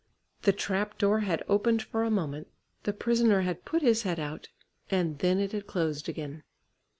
The trap door had opened for a moment, the prisoner had put his head out, and then it had closed again.